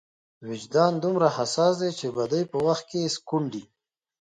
وجدان دومره حساس دی چې بدۍ په وخت کې سکونډي.